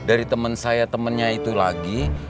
nah dari temen saya temennya itu lagi